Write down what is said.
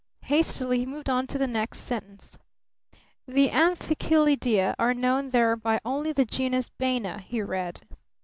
Hastily he moved on to the next sentence. "The Amphichelydia are known there by only the genus Baena," he read.